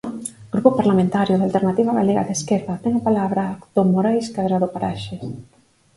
Grupo Parlamentario da Alternativa Galega de Esquerda, ten a palabra don Morais Cadrado Paraxes.